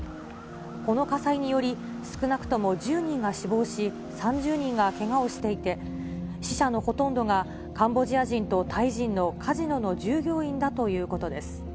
この火災により、少なくとも１０人が死亡し、３０人がけがをしていて、死者のほとんどがカンボジア人とタイ人のカジノの従業員だということです。